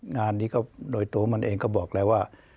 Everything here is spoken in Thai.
งานนี้ก็โดยตัวมันเองก็บอกแล้วว่า